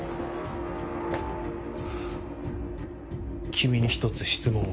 君に１つ質問を。